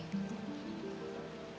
gak usah d